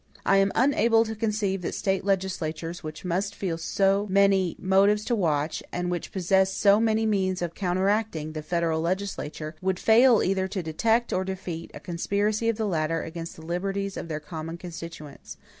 I am unable to conceive that the State legislatures, which must feel so many motives to watch, and which possess so many means of counteracting, the federal legislature, would fail either to detect or to defeat a conspiracy of the latter against the liberties of their common constituents.